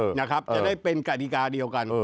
จะได้เป็นกฎิกาเดียวกัน